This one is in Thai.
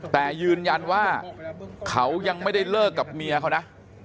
แต่ยืนยันว่าเขายังไม่ได้เลิกกับเมียเขานะ